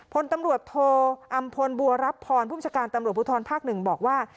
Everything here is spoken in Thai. พลตำรวจโทอำพลบัวรับพรพุทธการตำรวจพลุทธรภาค๑บอกว่า